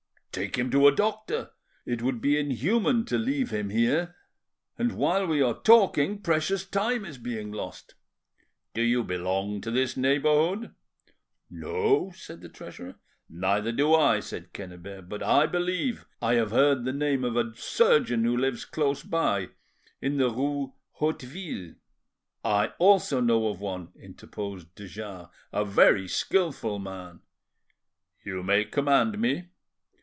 "Take him to a doctor. It would be inhuman to leave him here, and while we are talking precious time is being lost." "Do you belong to this neighbourhood?" "No," said the treasurer. "Neither do I," said Quennebert. "but I believe I have heard the name of a surgeon who lives close by, in the rue Hauteville." "I also know of one," interposed de Jars, "a very skilful man." "You may command me."